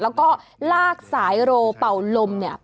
แล้วก็ลากสายโรเป่าลมเนี่ย